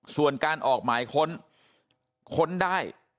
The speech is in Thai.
ส่วนการออกหมายค้นค้นได้